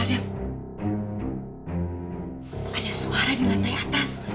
ada suara di lantai atas